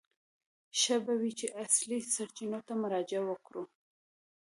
ښه به وي چې اصلي سرچینو ته مراجعه وکړو.